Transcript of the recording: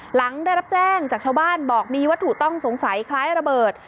หลังได้รับแจ้งจากชาวบ้านบอกมีวัตถุต้องสงสัยคล้ายระเบิด